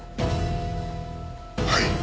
はい。